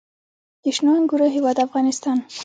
د شنو انګورو هیواد افغانستان.